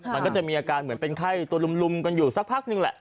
มันก็จะมีอาการเหมือนเป็นไข้ตัวลุมกันอยู่สักพักนึงแหละ